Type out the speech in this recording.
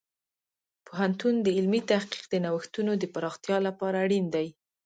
پوهنتون د علمي تحقیق د نوښتونو د پراختیا لپاره اړین دی.